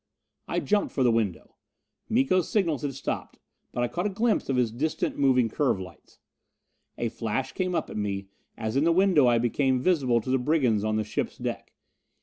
I jumped for the window. Miko's signals had stopped, but I caught a glimpse of his distant moving curve lights. A flash came up at me, as in the window I became visible to the brigands on the ship's deck.